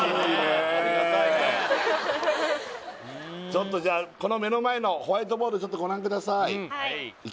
ちょっとじゃあこの目の前のホワイトボードちょっとご覧くださいいきますよ